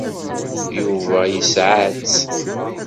Yuba yesɛa-tt.